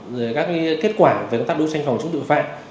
rồi là các kết quả về công tác đối tranh phòng chống tội phạm